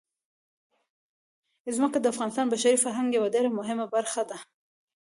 ځمکه د افغانستان د بشري فرهنګ یوه ډېره مهمه برخه ده.